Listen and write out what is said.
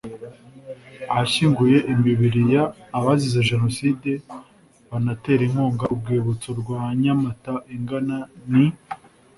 ahashyinguye imibiri y abazize Jenoside banatera inkunga urwibutso rwa Nyamata ingana ni